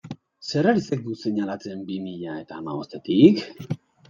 Zer ari zaigu seinalatzen bi mila eta hamabostetik?